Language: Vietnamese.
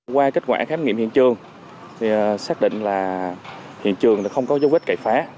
qua kết quả khám nghiệm hiện trường thì xác định là hiện trường không có dấu vết cậy phá